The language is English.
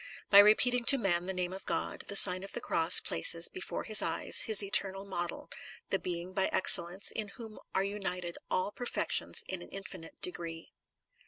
By repeating to man the name of God, the Sign of the Cross places before his eyes his Eternal Model, the Being by excellence, in whom are united all perfections in an infinite degree.